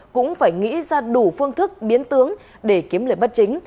cũng phải nghĩ ra đủ phương thức biến tướng để kiếm lời bất chính